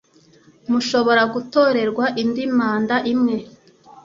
Mushobora gutorerwa indi manda imwe